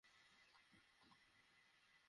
আমাকে নিয়ে চিন্তা করা বন্ধ কর।